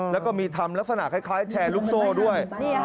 แล้วก็มีทำลักษณะคล้ายแชร์ลูกโซ่ด้วย